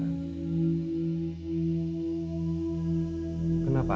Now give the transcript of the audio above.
lalu lala mencari rani